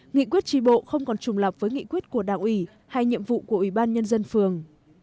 nghị quyết tri bộ không còn trùng lập với nghị quyết của đảng ủy hay nhiệm vụ của ủy ban nhân dân phường